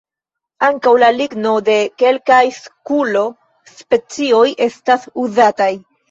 Ankaŭ la ligno de kelkaj "eskulo"-specioj estas uzata.